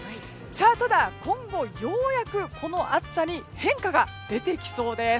ただ、今後ようやくこの暑さに変化が出てきそうです。